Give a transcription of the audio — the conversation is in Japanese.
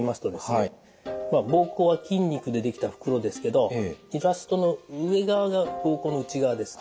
膀胱は筋肉で出来た袋ですけどイラストの上側が膀胱の内側です。